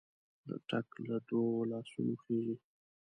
ټک له دوو لاسونو خېژي.